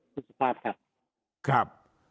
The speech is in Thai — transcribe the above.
คุณสุภาพครับ